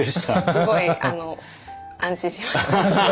すごい安心しました。